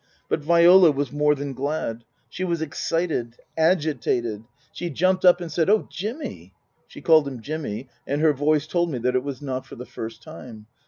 But Viola was more than glad. She was excited, agitated. She jumped up and said, "Oh, Jimmy!" (She called him "Jimmy, and her voice told me that it was not for the first time.)